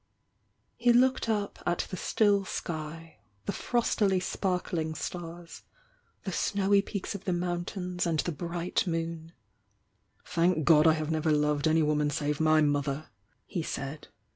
He looked up at the still sky, — the frostily spar kling stars, — the snowy peaks of the mountams and the bright moon. "Thank God I have never loved any woman save my mother!" he said.